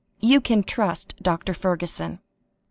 "YOU CAN TRUST DR. FERGUSSON."